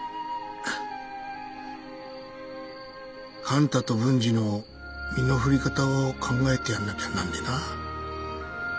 勘太と文治の身の振り方を考えてやんなきゃなんねえなぁ。